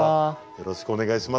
よろしくお願いします。